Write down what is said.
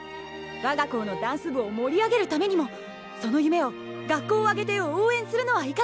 我が校のダンス部を盛り上げるためにもその夢を学校を挙げて応援するのはいかがでしょうか？